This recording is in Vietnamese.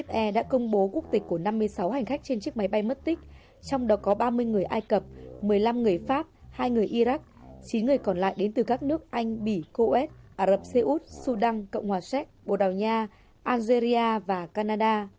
tổng thống ai cập đã gửi thông cáo chia buồn tới gia đình các nạn nhân của năm mươi sáu hành khách trên chiếc máy bay mất tích trong đó có ba mươi người ai cập một mươi năm người pháp hai người iraq chín người còn lại đến từ các nước anh bỉ kuwait ả rập xê út sudan cộng hòa séc bồ đào nha algeria và canada